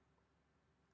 untuk macam macam terganggu